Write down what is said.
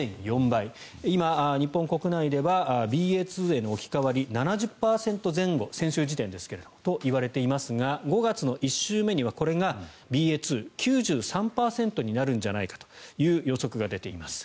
今、日本国内ではＢＡ．２への置き換わり７０％前後、先週時点ですがそういわれていますが５月の１週目にはこれがＢＡ．２９３％になるんじゃないかという予測が出ています。